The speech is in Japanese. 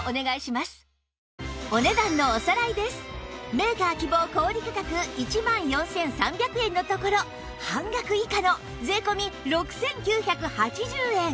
メーカー希望小売価格１万４３００円のところ半額以下の税込６９８０円